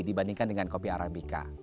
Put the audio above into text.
dibandingkan dengan kopi arabica